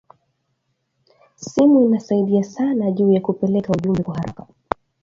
Simu inasaidia sana juya kupeleka ujumbe kwa araka